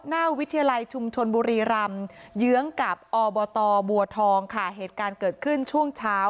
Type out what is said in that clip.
วิทยาลัยชุมชนบุรีรำเยื้องกับอบตบัวทองค่ะเหตุการณ์เกิดขึ้นช่วงเช้า